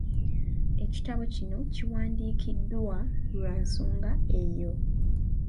Ekitabo kino kiwandiikiddwa lwa nsonga eyo .